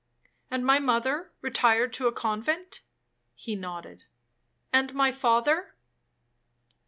'And my mother retired to a convent?' he nodded. 'And my father?'